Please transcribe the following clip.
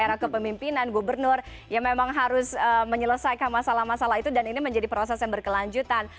era kepemimpinan gubernur yang memang harus menyelesaikan masalah masalah itu dan ini menjadi proses yang berkelanjutan